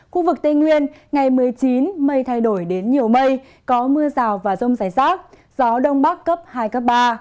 khu vực tây nguyên ngày một mươi chín mây thay đổi đến nhiều mây có mưa rào và rông rải rác gió đông bắc cấp hai cấp ba